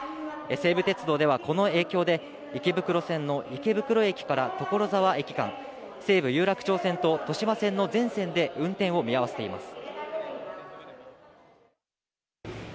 西武鉄道ではこの影響で池袋線の池袋駅から所沢駅間、西武有楽町線と豊島線の全線で運転を見合わせています。